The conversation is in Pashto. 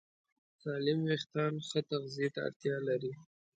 سالم وېښتيان ښه تغذیه ته اړتیا لري.